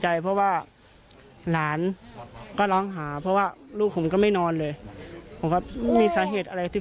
ใจเพราะว่าหลานก็ร้องหาเพราะว่าลูกผมก็ไม่นอนเลยผมก็มีสาเหตุอะไรที่